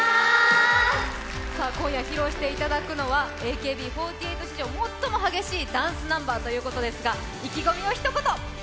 今夜披露していただくのはＡＫＢ４８史上最も激しいダンスナンバーということですが意気込みをひと言。